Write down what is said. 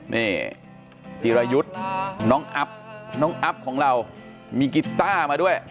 นี่จิรายุทธ์น้องอัพน้องอัพของเรามีกีต้ามาด้วย